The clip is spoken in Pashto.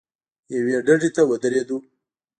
یوې ډډې ته ودرېدو.